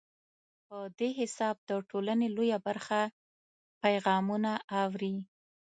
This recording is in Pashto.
په دې حساب د ټولنې لویه برخه پیغامونه اوري.